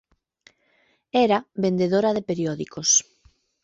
Era vendedora de periódicos.